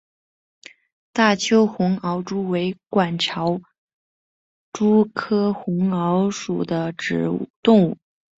大邱红螯蛛为管巢蛛科红螯蛛属的动物。